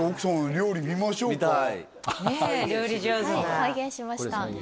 料理上手なはい再現しました